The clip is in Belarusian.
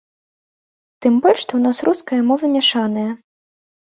Тым больш, што ў нас руская мова мяшаная.